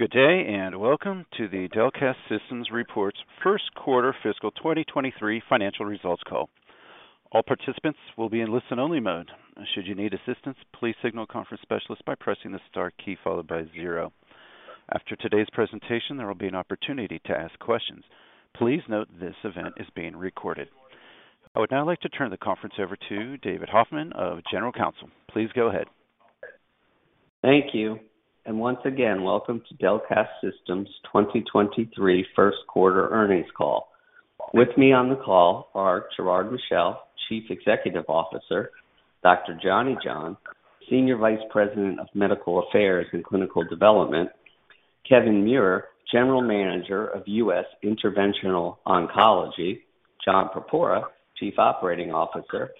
Good day, welcome to the Delcath Systems Reports Q1 fiscal 2023 financial results call. All participants will be in listen-only mode. Should you need assistance, please signal a conference specialist by pressing the star key followed by zero. After today's presentation, there will be an opportunity to ask questions. Please note this event is being recorded. I would now like to turn the conference over to David Hoffman, General Counsel. Please go ahead. Thank you. Once again, welcome to Delcath Systems 2023 Q1 earnings call. With me on the call are Gerard Michel, Chief Executive Officer, Dr. Johnny John, Senior Vice President of Medical Affairs and Clinical Development, Kevin Muir, General Manager of US Interventional Oncology, John Purpura, Chief Operating Officer,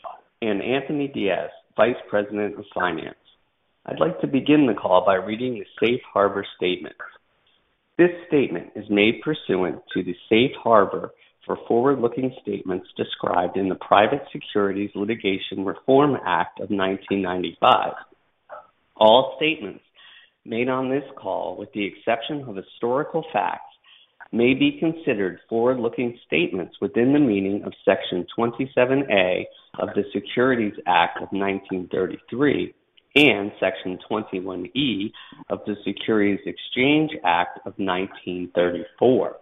and Anthony Dias, Vice President of Finance. I'd like to begin the call by reading a safe harbor statement. This statement is made pursuant to the Safe Harbor for forward-looking statements described in the Private Securities Litigation Reform Act of 1995. All statements made on this call, with the exception of historical facts, may be considered forward-looking statements within the meaning of Section 27 A of the Securities Act of 1933 and Section 21 E of the Securities Exchange Act of 1934.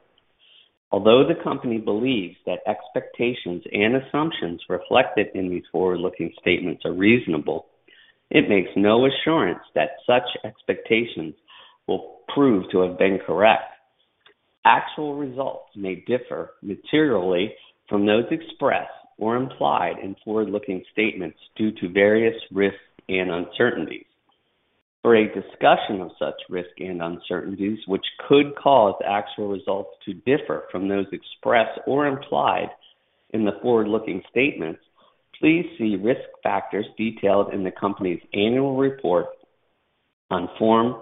Although the company believes that expectations and assumptions reflected in these forward-looking statements are reasonable, it makes no assurance that such expectations will prove to have been correct. Actual results may differ materially from those expressed or implied in forward-looking statements due to various risks and uncertainties. For a discussion of such risks and uncertainties, which could cause actual results to differ from those expressed or implied in the forward-looking statements, please see risk factors detailed in the company's annual report on Form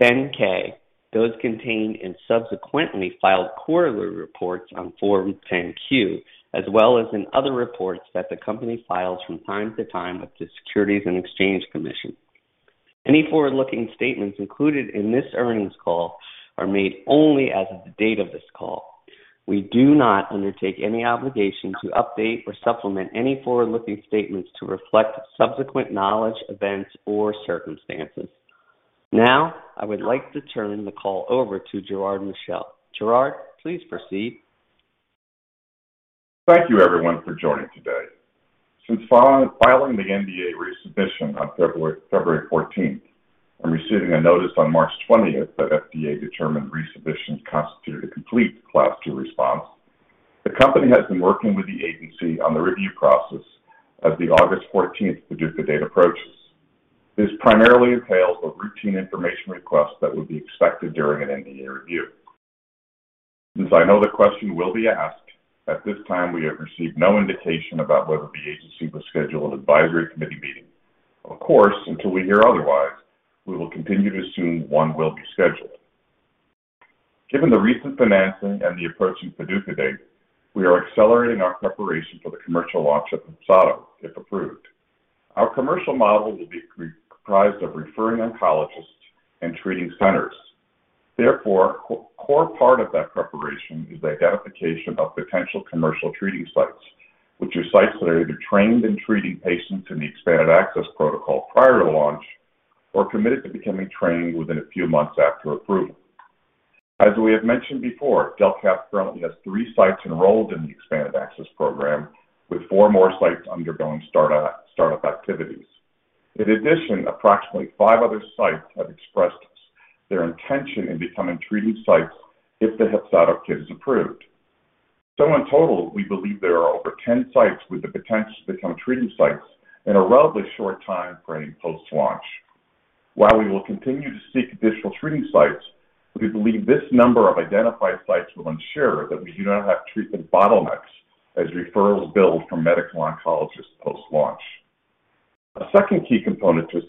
10-K, those contained in subsequently filed quarterly reports on Form 10-Q, as well as in other reports that the company files from time to time with the Securities and Exchange Commission. Any forward-looking statements included in this earnings call are made only as of the date of this call. We do not undertake any obligation to update or supplement any forward-looking statements to reflect subsequent knowledge, events, or circumstances. Now, I would like to turn the call over to Gerard Michel. Gerard, please proceed. Thank you, everyone, for joining today. Since filing the NDA resubmission on February 14th and receiving a notice on March 20th that FDA determined resubmission constituted a complete Class 2 response, the company has been working with the agency on the review process as the August 14th PDUFA date approaches. This primarily entails a routine information request that would be expected during an NDA review. Since I know the question will be asked, at this time we have received no indication about whether the agency will schedule an advisory committee meeting. Of course, until we hear otherwise, we will continue to assume one will be scheduled. Given the recent financing and the approaching PDUFA date, we are accelerating our preparation for the commercial launch of HEPZATO, if approved. Our commercial model will be comprised of referring oncologists and treating centers. A core part of that preparation is the identification of potential commercial treating sites, which are sites that are either trained in treating patients in the Expanded Access protocol prior to launch or committed to becoming trained within a few months after approval. As we have mentioned before, Delcath currently has three sites enrolled in the Expanded Access Program, with four more sites undergoing startup activities. In addition, approximately five other sites have expressed their intention in becoming treating sites if the HEPZATO KIT is approved. In total, we believe there are over 10 sites with the potential to become treating sites in a relatively short timeframe post-launch. While we will continue to seek additional treating sites, we believe this number of identified sites will ensure that we do not have treatment bottlenecks as referrals build from medical oncologists post-launch. A second key component to a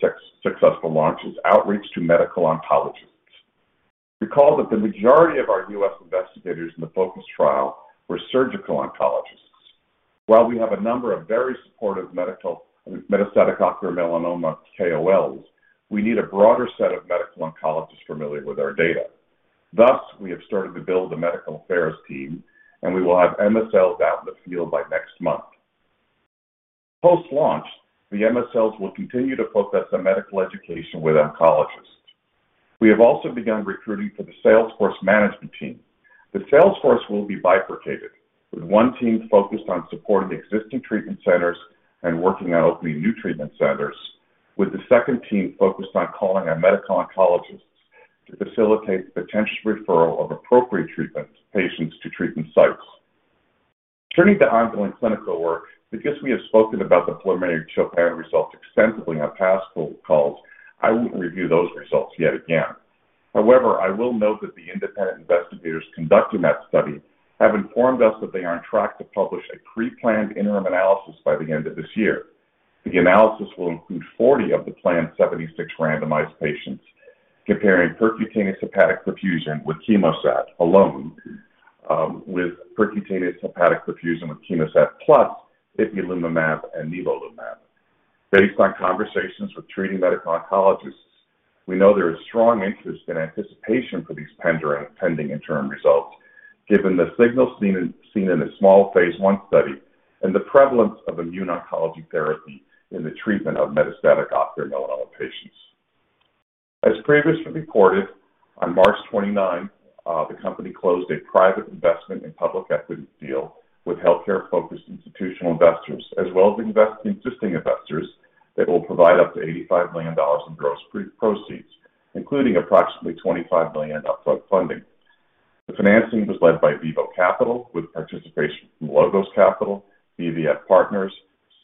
successful launch is outreach to medical oncologists. Recall that the majority of our U.S. investigators in the FOCUS trial were surgical oncologists. While we have a number of very supportive metastatic ocular melanoma KOLs, we need a broader set of medical oncologists familiar with our data. Thus, we have started to build a medical affairs team. We will have MSLs out in the field by next month. Post-launch, the MSLs will continue to focus on medical education with oncologists. We have also begun recruiting for the sales force management team. The sales force will be bifurcated, with one team focused on supporting existing treatment centers and working on opening new treatment centers, with the second team focused on calling our medical oncologists to facilitate the potential referral of appropriate patients to treatment sites. Turning to ongoing clinical work, because we have spoken about the preliminary CHOPIN results extensively on past calls, I won't review those results yet again. However, I will note that the independent investigators conducting that study have informed us that they are on track to publish a pre-planned interim analysis by the end of this year. The analysis will include 40 of the planned 76 randomized patients comparing percutaneous hepatic perfusion with CHEMOSAT alone, with percutaneous hepatic perfusion with CHEMOSAT plus Ipilimumab and Nivolumab. Based on conversations with treating medical oncologists, we know there is strong interest and anticipation for these pending interim results, given the signal seen in a small phase I study and the prevalence of immuno-oncology therapy in the treatment of metastatic ocular melanoma patients. As previously reported, on March 29, the company closed a private investment in public equity deal with healthcare-focused institutional investors as well as existing investors that will provide up to $85 million in gross pre-proceeds, including approximately $25 million up-front funding. The financing was led by Vivo Capital with participation from Logos Capital, BVF Partners,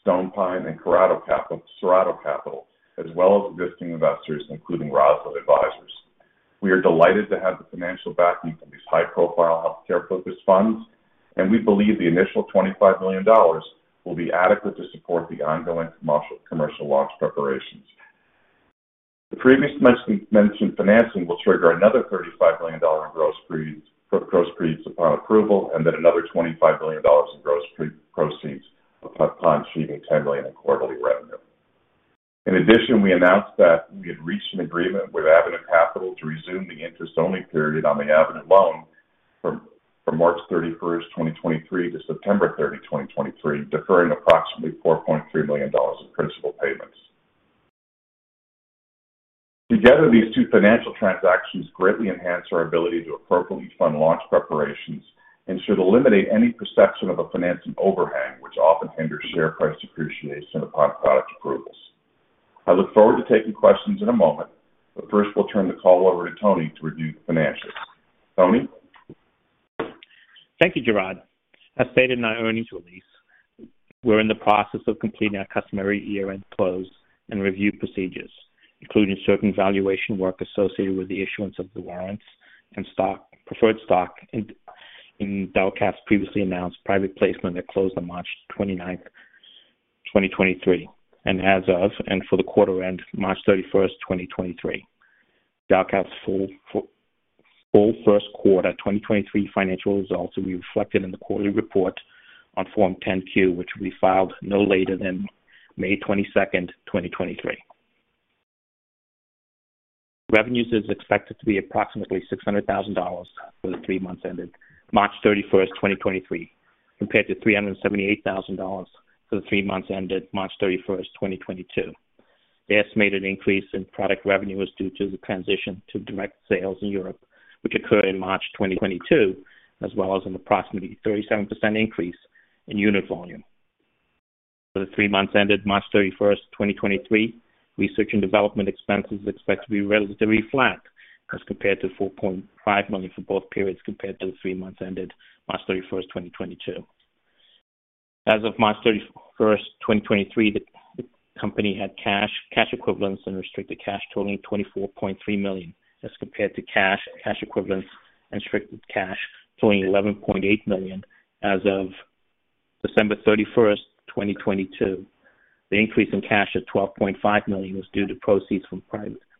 Stonepine, and Cerrado Capital, as well as existing investors, including Rosalind Advisors. We are delighted to have the financial backing from these high-profile healthcare-focused funds, and we believe the initial $25 million will be adequate to support the ongoing commercial launch preparations. The previously mentioned financing will trigger another $35 million in gross proceeds upon approval and then another $25 million in gross pre-proceeds upon achieving $10 million in quarterly revenue. We announced that we had reached an agreement with Avenue Capital to resume the interest-only period on the Avenue loan from March 31st, 2023 to September 30th, 2023, deferring approximately $4.3 million in principal payments. Together, these two financial transactions greatly enhance our ability to appropriately fund launch preparations and should eliminate any perception of a financing overhang, which often hinders share price appreciation upon product approvals. I look forward to taking questions in a moment, first we'll turn the call over to Tony to review the financials. Tony? Thank you, Gerard. As stated in our earnings release, we're in the process of completing our customary year-end close and review procedures, including certain valuation work associated with the issuance of the warrants and preferred stock in Delcath's previously announced private placement that closed on March 29th, 2023. As of and for the quarter end March 31st, 2023. Delcath's full Q1 2023 financial results will be reflected in the quarterly report on Form 10-Q, which will be filed no later than May 22th, 2023. Revenues is expected to be approximately $600,000 for the three months ended March 31st, 2023, compared to $378,000 for the three months ended March 31st, 2022. The estimated increase in product revenue is due to the transition to direct sales in Europe, which occurred in March 2022, as well as an approximately 37% increase in unit volume. For the three months ended March 31st, 2023, research and development expenses are expected to be relatively flat as compared to $4.5 million for both periods compared to the three months ended March 31st, 2022. As of March 31st, 2023, Delcath had cash equivalents and restricted cash totaling $24.3 million, as compared to cash equivalents and restricted cash totaling $11.8 million as of December 31st, 2022. The increase in cash of $12.5 million was due to proceeds from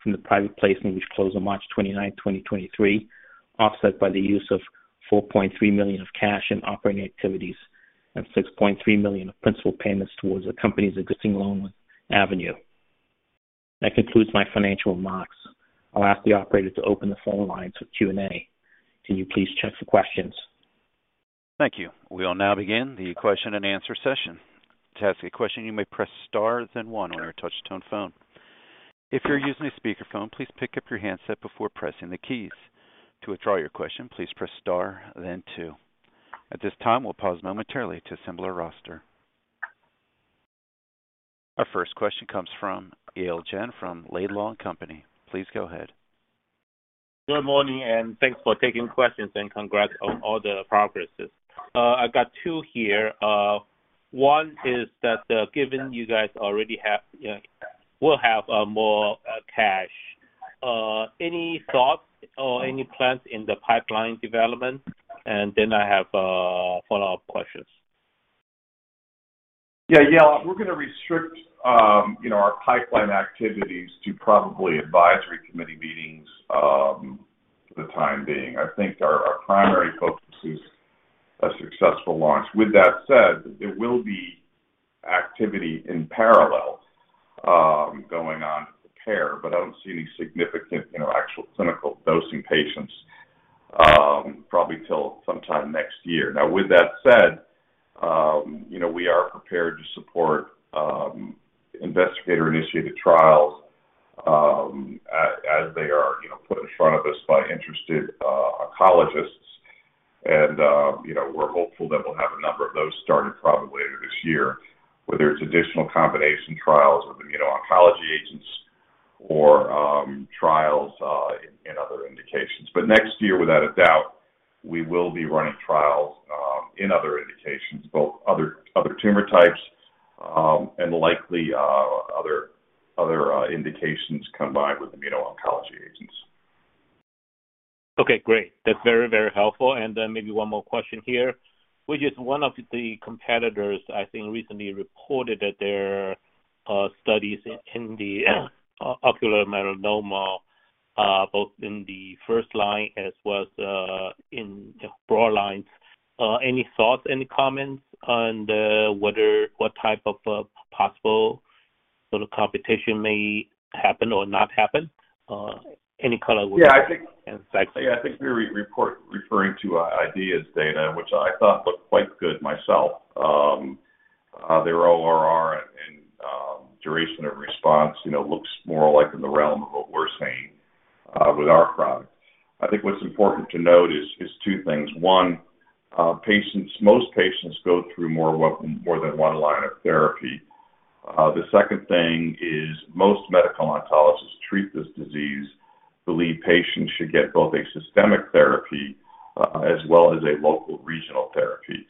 the private placement which closed on March 29th, 2023, offset by the use of $4.3 million of cash in operating activities and $6.3 million of principal payments towards the company's existing loan with Avenue. That concludes my financial remarks. I'll ask the operator to open the phone lines for Q&A. Can you please check for questions? Thank you. We'll now begin the Q&A session. To ask a question, you may press star then one on your touch tone phone. If you are using a speakerphone, please pick up your handset before pressing the keys. To withdraw your question, please press star then two. At this time, we'll pause momentarily to assemble our roster. Our first question comes from Yale Jen from Laidlaw & Company. Please go ahead. Good morning, and thanks for taking questions and congrats on all the progresses. I've got two here. One is that, given you guys already have, you know, will have, more, cash, any thoughts or any plans in the pipeline development? I have, follow-up questions. Yeah, Yale, we're gonna restrict, you know, our pipeline activities to probably advisory committee meetings for the time being. I think our primary focus is a successful launch. With that said, there will be activity in parallel going on with the care, but I don't see any significant, you know, actual clinical dosing patients probably till sometime next year. Now, with that said, you know, we are prepared to support investigator-initiated trials as they are, you know, put in front of us by interested oncologists. You know, we're hopeful that we'll have a number of those started probably later this year, whether it's additional combination trials with immuno-oncology agents or trials in other indications. Next year, without a doubt, we will be running trials, in other indications, both other tumor types, and likely, other indications combined with immuno-oncology agents. Okay, great. That's very, very helpful. Then maybe one more question here, which is one of the competitors, I think, recently reported that their studies in the ocular melanoma both in the first line as well as in the broad lines. Any thoughts, any comments on the whether what type of possible sort of competition may happen or not happen? Any color would Yeah. thanks. Yeah, I think we re-referring to CHOPIN data, which I thought looked quite good myself. Their ORR and duration of response, you know, looks more like in the realm of what we're seeing with our product. I think what's important to note is two things. One, most patients go through more than one line of therapy. The second thing is most medical oncologists treat this disease, believe patients should get both a systemic therapy, as well as a local regional therapy.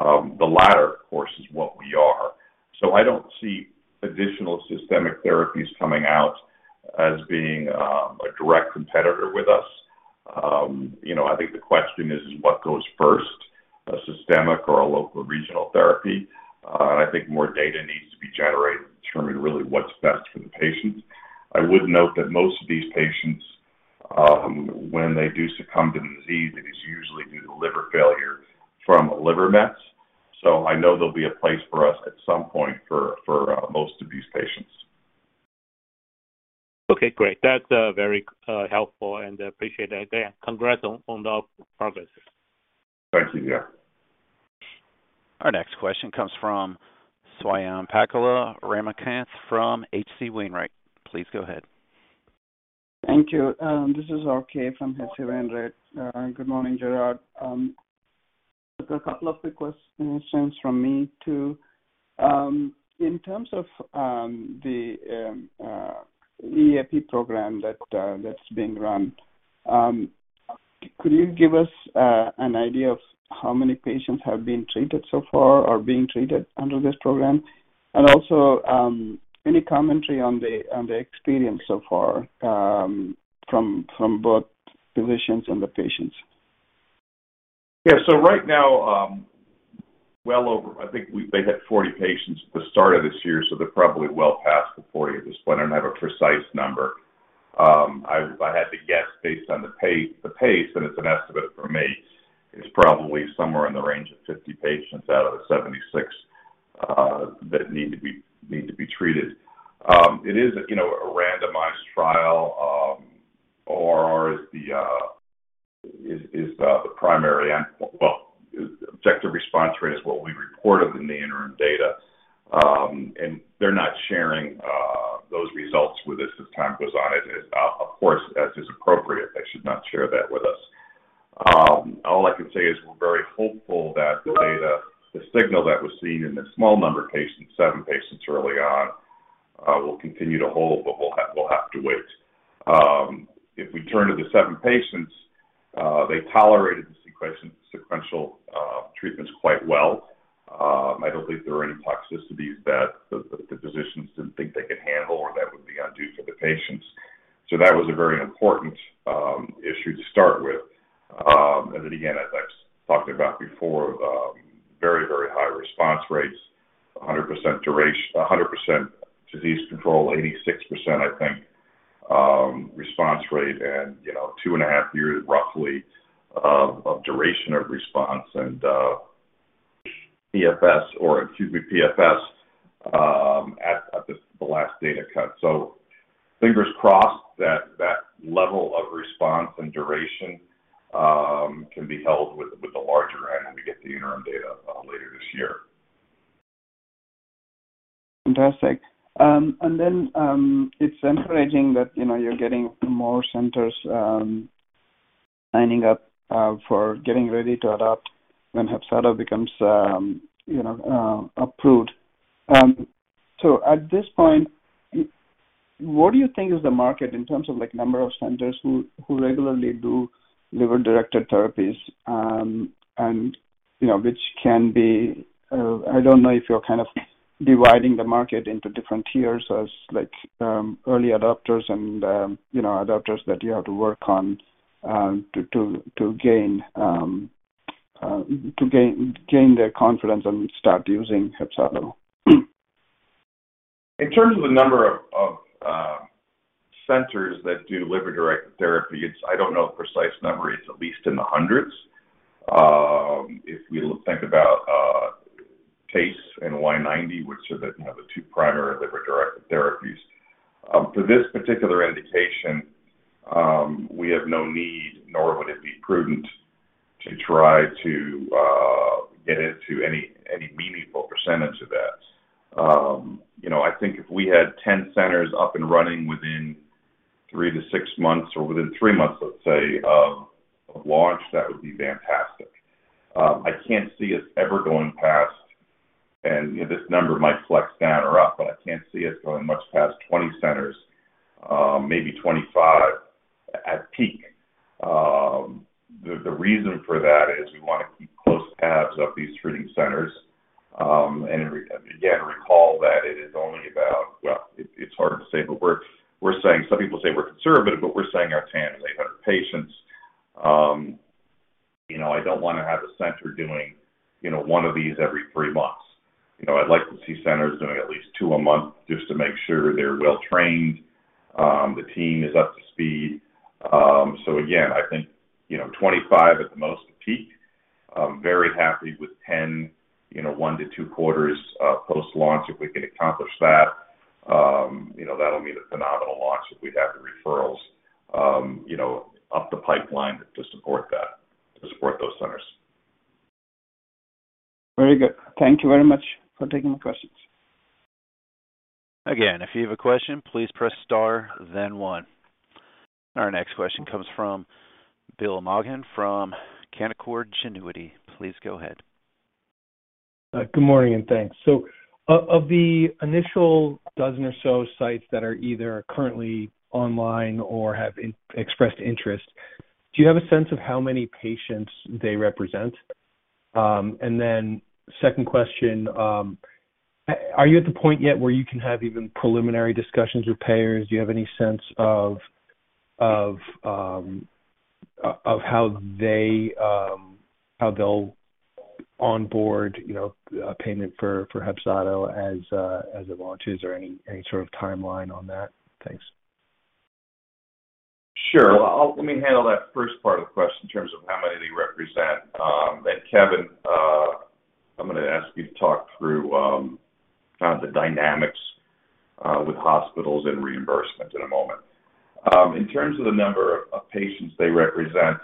The latter, of course, is what we are. I don't see additional systemic therapies coming out as being a direct competitor with us. You know, I think the question is what goes first, a systemic or a local regional therapy? I think more data needs to be generated to determine really what's best for the patients. I would note that most of these patients, when they do succumb to the disease, it is usually due to liver failure from liver mets. I know there'll be a place for us at some point for most of these patients. Okay, great. That's very helpful, and I appreciate that. Yeah, congrats on the progress. Thank you. Yeah. Our next question comes from Swayampakula Ramakanth from H.C. Wainwright. Please go ahead. Thank you. This is RK from H.C. Wainwright. Good morning, Gerard. Just a couple of quick questions from me, too. In terms of the EAP program that that's being run, could you give us an idea of how many patients have been treated so far or being treated under this program? Also, any commentary on the experience so far, from both physicians and the patients? Right now, well over I think we may hit 40 patients at the start of this year, so they're probably well past the 40 at this point. I don't have a precise number. If I had to guess based on the pace, and it's an estimate from me, it's probably somewhere in the range of 50 patients out of the 76 that need to be treated. It is, you know, a randomized trial. ORR is the objective response rate is what we reported in the interim data, and they're not sharing those results with us as time goes on. Of course, as is appropriate, they should not share that with us. All I can say is we're very hopeful that the data, the signal that was seen in the small number of patients, seven patients early on, will continue to hold, but we'll have to wait. If we turn to the seven patients, they tolerated the sequential treatments quite well. I don't believe there were any toxicities that the physicians didn't think they could handle or that would be undue for the patients. That was a very important issue to start with. Then again, as I've talked about before, very, very high response rates, 100% duration... 100% disease control, 86%, I think, response rate and, you know, two and a half years roughly of duration of response and, PFS, at this, the last data cut. Fingers crossed that that level of response and duration, can be held with the larger end when we get the interim data, later this year. Fantastic. It's encouraging that, you know, you're getting more centers, signing up for getting ready to adopt when HEPZATO becomes, you know, approved. At this point, what do you think is the market in terms of, like, number of centers who regularly do liver-directed therapies, and, you know, which can be, I don't know if you're kind of dividing the market into different tiers as, like, early adopters and, you know, adopters that you have to work on to gain their confidence and start using HEPZATO? In terms of the number of centers that do liver-directed therapy, it's. I don't know the precise number. It's at least in the hundreds. If we think about TACE and Y90, which are, you know, the two primary liver-directed therapies. For this particular indication, we have no need, nor would it be prudent to try to get into any meaningful percentage of that. You know, I think if we had 10 centers up and running within three to six months or within three months, let's say, of launch, that would be fantastic. I can't see us ever going past, and this number might flex down or up, but I can't see us going much past 20 centers, maybe 25 at peak. The reason for that is we wanna keep close tabs of these treating centers, and again, recall that it is only about. Well, it's hard to say, but we're saying some people say we're conservative, but we're saying our chance is 800 patients. You know, I don't wanna have a center doing, you know, one of these every three months. You know, I'd like to see centers doing at least two a month just to make sure they're well-trained, the team is up to speed. Again, I think, you know, 25 at the most to peak. I'm very happy with 10, you know, one to two quarters, post-launch, if we can accomplish that. You know, that'll be the phenomenal launch if we'd have the referrals, you know, up the pipeline to support that, to support those centers. Very good. Thank you very much for taking the questions. Again, if you have a question, please press star then one. Our next question comes from William Plovanic from Canaccord Genuity. Please go ahead. Good morning, and thanks. Of the initial 12 or so sites that are either currently online or have expressed interest, do you have a sense of how many patients they represent? Then second question, are you at the point yet where you can have even preliminary discussions with payers? Do you have any sense of how they, how they'll onboard, you know, payment for HEPZATO as it launches or any sort of timeline on that? Thanks. Sure. Let me handle that first part of the question in terms of how many they represent. Kevin, I'm going to ask you to talk through kind of the dynamics with hospitals and reimbursement in a moment. In terms of the number of patients they represent,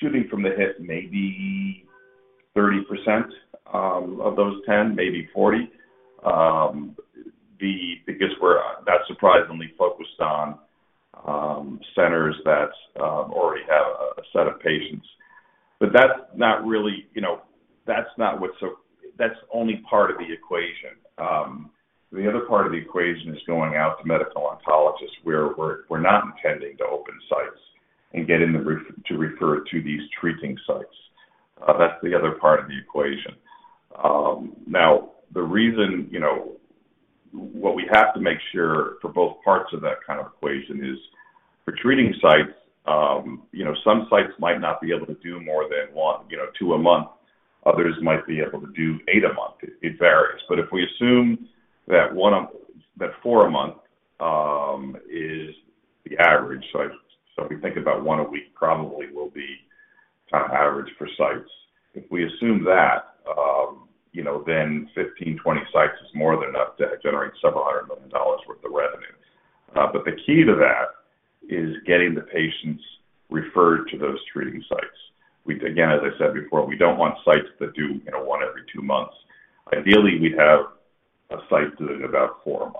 shooting from the hip, maybe 30% of those 10, maybe 40, because we're that surprisingly focused on centers that already have a set of patients. That's not really, you know, that's not what's so. That's only part of the equation. The other part of the equation is going out to medical oncologists, we're not intending to open sites and getting them to refer to these treating sites. That's the other part of the equation. Now the reason, you know What we have to make sure for both parts of that kind of equation is for treating sites, you know, some sites might not be able to do more than 1, you know, two a month. Others might be able to do eight a month. It varies. If we assume that That four a month is the average size, so if you think about one a week probably will be kind of average for sites. If we assume that, you know, then 15, 20 sites is more than enough to generate $700 million worth of revenue. The key to that is getting the patients referred to those treating sites. Again, as I said before, we don't want sites that do, you know, one every two months. Ideally, we'd have a site doing about four a month.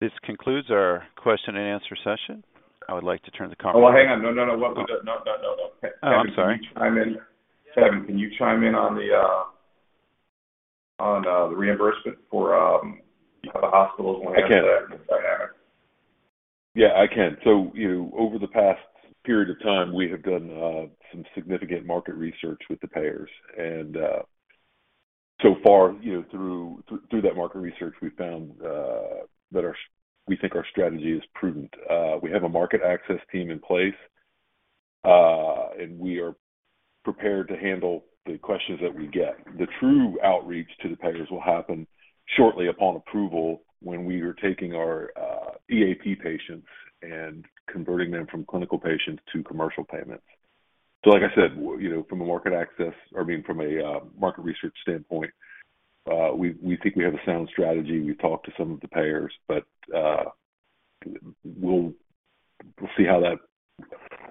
This concludes our Q&A session. I would like to turn the conference. Oh, hang on. No, no. What we did... No, no. Oh, I'm sorry. Kevin, can you chime in? Kevin, can you chime in on the reimbursement for the hospitals when it comes to that dynamic? I can. Yeah, I can. You know, over the past period of time, we have done some significant market research with the payers. So far, you know, through that market research, we found We think our strategy is prudent. We have a market access team in place, and we are prepared to handle the questions that we get. The true outreach to the payers will happen shortly upon approval when we are taking our EAP patients and converting them from clinical patients to commercial payments. Like I said, you know, I mean, from a market research standpoint, we think we have a sound strategy. We've talked to some of the payers, but we'll see how that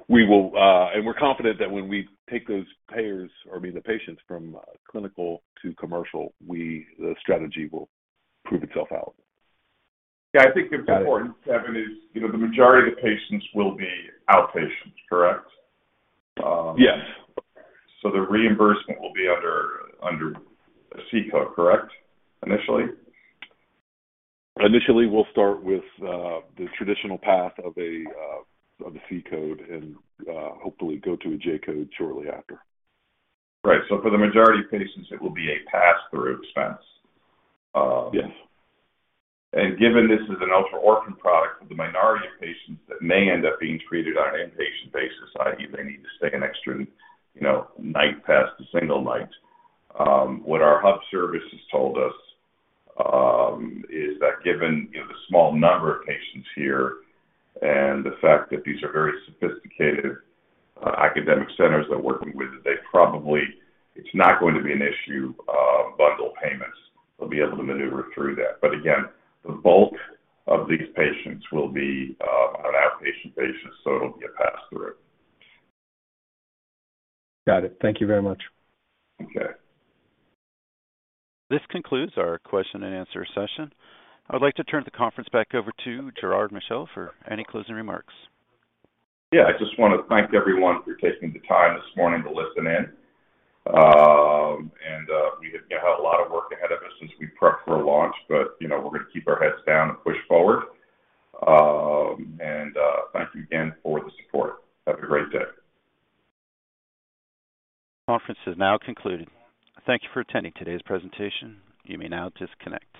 we will, and we're confident that when we take those payers or, I mean, the patients from, clinical to commercial, the strategy will prove itself out. Yeah, I think that's important. Got it. Kevin, is, you know, the majority of the patients will be outpatients, correct? Yes. The reimbursement will be under a C-code, correct, initially? Initially, we'll start with, the traditional path of a, of a C-code and, hopefully go to a J-code shortly after. Right. For the majority of patients, it will be a passthrough expense. Yes. Given this is an ultra orphan product with the minority of patients that may end up being treated on an inpatient basis, i.e., they need to stay an extra, you know, night past a single night, what our hub services told us, is that given, you know, the small number of patients here and the fact that these are very sophisticated, academic centers they're working with, that they probably. It's not going to be an issue of bundle payments. They'll be able to maneuver through that. Again, the bulk of these patients will be outpatient patients, so it'll be a passthrough. Got it. Thank you very much. Okay. This concludes our Q&A session. I would like to turn the conference back over to Gerard Michel for any closing remarks. Yeah. I just wanna thank everyone for taking the time this morning to listen in. We have, you know, a lot of work ahead of us as we prep for a launch, but, you know, we're gonna keep our heads down and push forward. Thank you again for the support. Have a great day. Conference is now concluded. Thank you for attending today's presentation. You may now disconnect.